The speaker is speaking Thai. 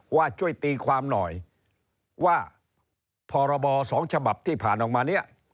ว่าช่วยตีความหน่อยว่าพรบ๒ฉบับที่ผ่านออกมา